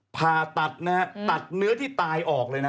ผ่าตัดนะฮะตัดเนื้อที่ตายออกเลยนะ